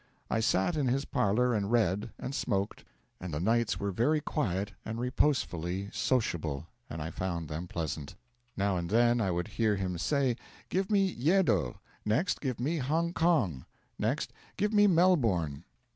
I sat in his parlour and read, and smoked, and the nights were very quiet and reposefully sociable, and I found them pleasant. Now and then I would her him say 'Give me Yedo;' next, 'Give me Hong Kong;' next, 'Give me Melbourne.'